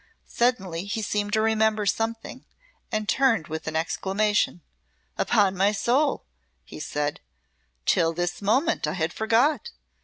Suddenly he seemed to remember something and turned with an exclamation. "Upon my soul!" he said, "till this moment I had forgot.